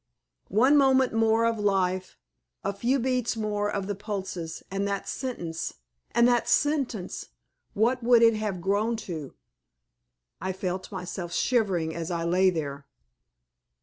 One moment more of life, a few beats more of the pulses, and that sentence and that sentence what would it have grown to? I felt myself shivering as I lay there.